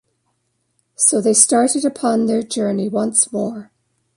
So they started upon their journey once more.